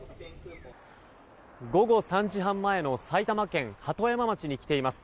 午後３時半前の埼玉県鳩山町に来ています。